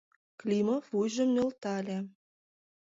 Климов вуйжым нӧлтале.